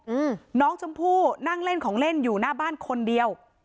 อืมน้องชมพู่นั่งเล่นของเล่นอยู่หน้าบ้านคนเดียว